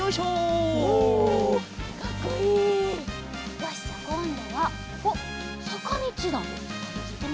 よしじゃあこんどはあっさかみちだ！